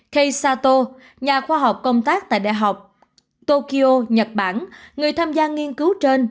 kei sato nhà khoa học công tác tại đại học tokyo nhật bản người tham gia nghiên cứu trên